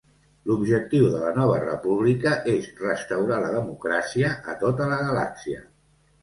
L'objectiu de la Nova República és restaurar la democràcia a tota la galàxia.